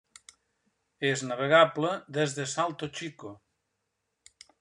És navegable des de Salto Chico.